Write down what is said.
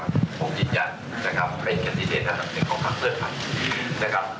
ผมยืนยันนะครับเป็นแคนดิเตรียมหนึ่งของภักดิ์เพื่อนไทยนะครับ